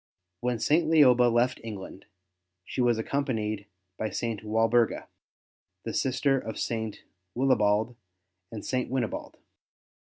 When St. Lioba left England she was accompanied by St. Walburga, the sister of St. Willibald and St. Winibald.